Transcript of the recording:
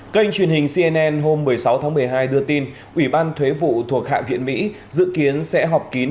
kênh truyền hình cnn hôm một mươi sáu tháng một mươi hai đưa tin ủy ban thuế vụ thuộc hạ viện mỹ dự kiến sẽ họp kín